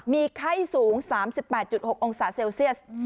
มีไข้สูง๓๘๖องศาเซลเซียส